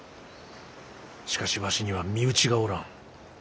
しかしわしには身内がおらん。